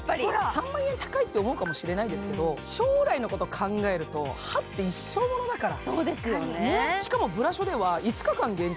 ３万円は高いって思うかもしれないけど将来のことを思えば歯って一生ものだから。